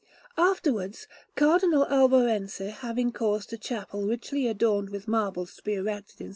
Afterwards, Cardinal Alborense having caused a chapel richly adorned with marbles to be erected in S.